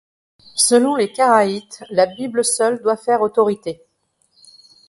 Selon les karaïtes, La Bible seule doit faire autorité.